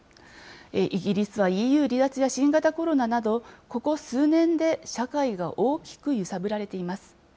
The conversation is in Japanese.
イギリスはＥＵ離脱や新型コロナなど、ここ数年で社会が大きく揺さぶられています。